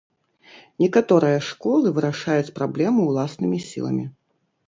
Некаторыя школы вырашаюць праблему ўласнымі сіламі.